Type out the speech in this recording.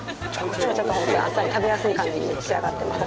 なので、ちょっとほんとにあっさり、食べやすい感じに仕上がってますね。